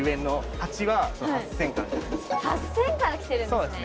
８，０００から来ているんですね。